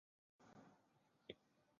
理事会授予委员会立法权。